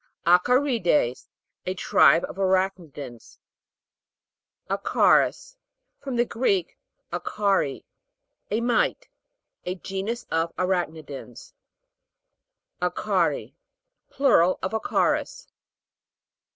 ACA'RIDES. A tribe of arachnidans, A'CARUS. From the Greek, akari, a mite. A genus of arachnidans. A'cARi. Plural of Acarus.